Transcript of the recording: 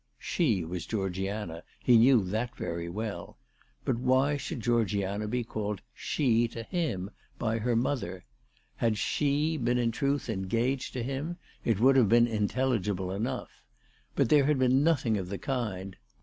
"She" was Georgiana. He knew that very well. But why should Georgiana be called " She " to him, by her mother ? Had " She " been in truth engaged to him it would have been intelligible enough. But there had been nothing of the kind.